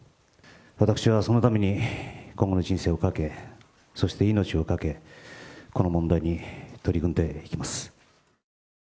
私はそのために今後の人生をかけ、そして命をかけ、この問題に取り組んでいきます。